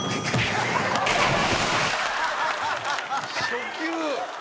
初球！